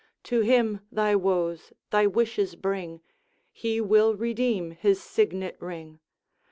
To him thy woes, thy wishes, bring; He will redeem his signet ring.